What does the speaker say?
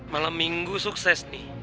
malam minggu sukses nih